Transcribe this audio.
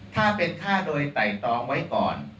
ถ้าเป็นฆ่าโดยไต่ตองไว้ก่อน